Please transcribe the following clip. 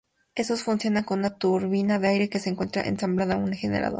Estos funcionan con una turbina de aire que se encuentra ensamblada a un generador.